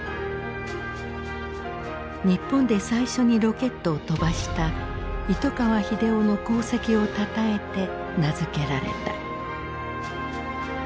日本で最初にロケットを飛ばした糸川英夫の功績をたたえて名付けられた。